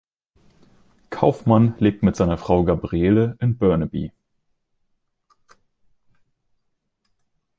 Kaufmann lebt mit seiner Frau Gabriele in Burnaby.